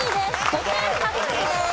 ５点獲得です。